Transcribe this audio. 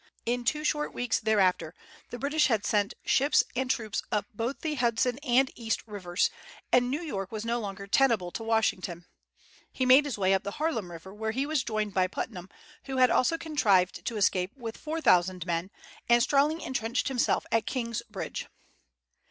In two short weeks thereafter the British had sent ships and troops up both the Hudson and East rivers, and New York was no longer tenable to Washington. He made his way up the Harlem River, where he was joined by Putnam, who also had contrived to escape with four thousand men, and strongly intrenched himself at King's Bridge.